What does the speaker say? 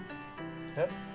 えっ？